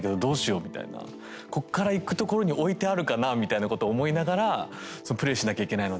こっから行くところに置いてあるかなあみたいなことを思いながらそのプレイしなきゃいけないので。